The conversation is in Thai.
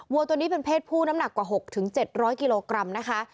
วัวตัวนี้เป็นเพศผู้น้ำหนักกว่า๖๗๐๐กิโลกรัมนะคะ